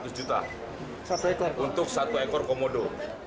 untuk satu ekor komodo